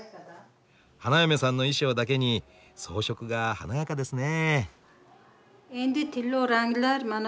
花嫁さんの衣装だけに装飾が華やかですね。